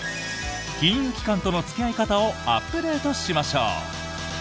金融機関との付き合い方をアップデートしましょう！